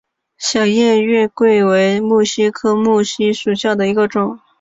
小叶月桂为木犀科木犀属下的一个种。